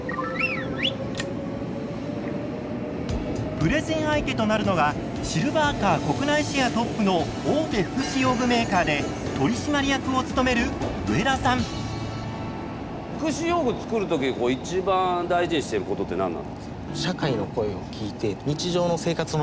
プレゼン相手となるのがシルバーカー国内シェアトップの大手福祉用具メーカーで取締役を務める福祉用具作る時こう一番大事にしてることって何なんですか？